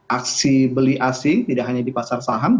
aksi beli asing tidak hanya di pasar saham